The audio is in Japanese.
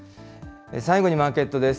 最後にマーケットです。